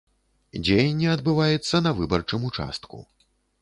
Дзеянне адбываецца на выбарчым участку.